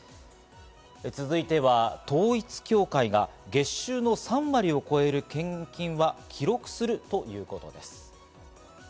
続いては、統一教会が月収の３割を超える献金は記録するということです。